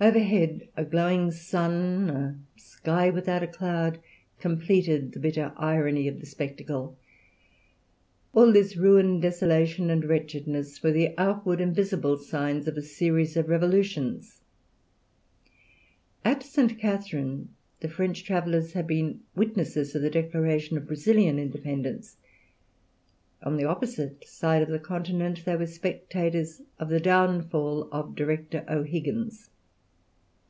Overhead a glowing sun, a sky without a cloud, completed the bitter irony of the spectacle. All this ruin, desolation, and wretchedness were the outward and visible signs of a series of revolutions. At St. Catherine the French travellers had been witnesses of the declaration of Brazilian independence; on the opposite side of the continent they were spectators of the downfall of Director O'Higgins.